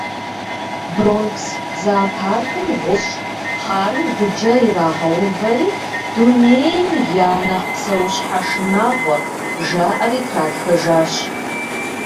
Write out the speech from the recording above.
Бронкс зоопаркым гъущӏ хъарым гъуджэ ирагъэувэри «Дунейм я нэхъ псэущхьэ шынагъуэ» жаӏэри тратхэжащ.